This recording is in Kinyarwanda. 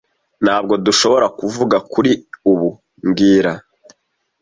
Ntabwo dushobora kuvuga kuri ubu mbwira